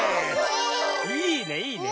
いいねいいね。